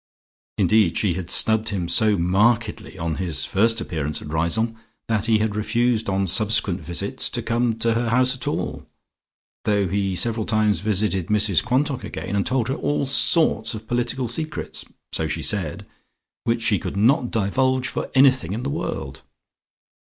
Indeed she had snubbed him so markedly on his first appearance at Riseholme that he had refused on subsequent visits to come to her house at all, though he several times visited Mrs Quantock again, and told her all sorts of political secrets (so she said) which she would not divulge for anything in the world.